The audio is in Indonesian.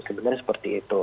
sebenarnya seperti itu